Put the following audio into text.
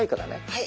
はい。